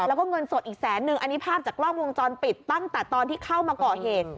แล้วก็เงินสดอีกแสนนึงอันนี้ภาพจากกล้องวงจรปิดตั้งแต่ตอนที่เข้ามาก่อเหตุ